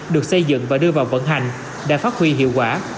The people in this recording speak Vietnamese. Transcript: được xây dựng và đưa vào vận hành đã phát huy hiệu quả